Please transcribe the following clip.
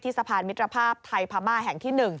สะพานมิตรภาพไทยพม่าแห่งที่๑